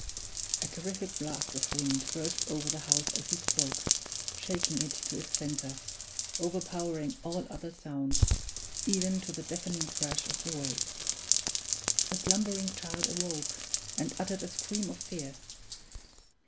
A terrific blast of wind burst over the house as he spoke, shaking it to its center, overpowering all other sounds, even to the deafening crash of the waves. The slumbering child awoke, and uttered a scream of fear.